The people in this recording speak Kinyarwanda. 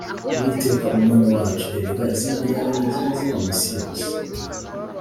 Uwiteka mwami wacu ,erega izina ryawe ni ryiza mu isi yose